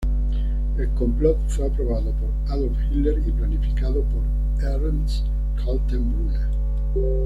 El complot fue aprobado por Adolf Hitler y planificado por Ernst Kaltenbrunner.